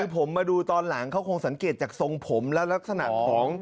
ผมมาดูตอนหลังเขาคงสังเกตจากทรงผมและลักษณะของ